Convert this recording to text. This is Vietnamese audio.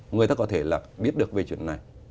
người ta có thể là biết được về chuyện này